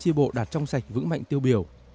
một mươi ba tri bộ đạt trong sạch vững mạnh tiêu biểu